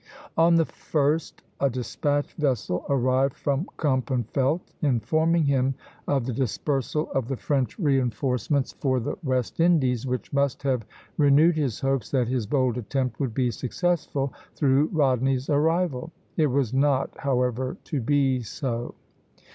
On the 1st a despatch vessel arrived from Kempenfeldt, informing him of the dispersal of the French reinforcements for the West Indies, which must have renewed his hopes that his bold attempt would be successful through Rodney's arrival. It was not, however, to be so.